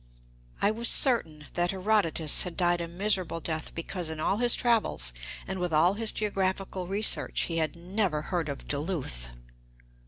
I was certain that Herodotus had died a miserable death because in all his travels and with all his geographical research he had never heard pf Duluth.